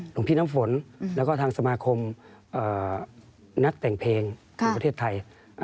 หลวงพี่น้ำฝนแล้วก็ทางสมาคมนักแต่งเพลงของประเทศไทย